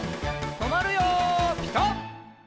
とまるよピタ！